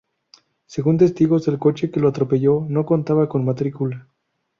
Según testigos, el coche que lo atropelló no contaba con matrícula.